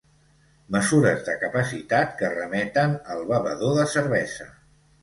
Mesures de capacitat que remeten al bevedor de cervesa.